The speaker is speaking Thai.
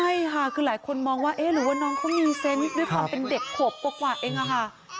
ใช่ค่ะคือหลายคนมองว่าเอ๊ะหรือว่าน้องเขามีเซนต์ด้วยความเป็นเด็กขวบกว่าเองอะค่ะ